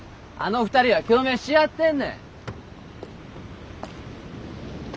あの２人は共鳴し合ってんねん。